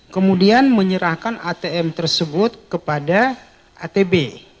kemudian menyerahkan atm tersebut kepada atb